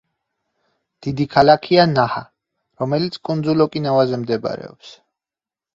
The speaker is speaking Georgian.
დიდი ქალაქია ნაჰა, რომელიც კუნძულ ოკინავაზე მდებარეობს.